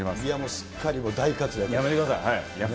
すっかりもう大活躍で。